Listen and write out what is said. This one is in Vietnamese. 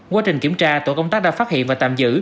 quá trình kiểm tra tổ công tác đã phát hiện và tạm giữ